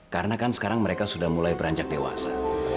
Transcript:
karena kan sekarang mereka sudah mulai beranjak dewasa